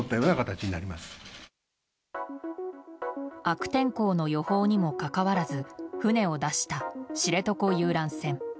悪天候の予報にもかかわらず船を出した知床遊覧船。